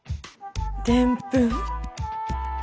でんぷん？